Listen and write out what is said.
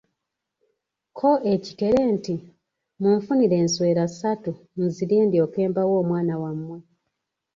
Ko ekikere nti, munfunire enswera ssatu nzirye ndyoke mbawe omwana wamwe.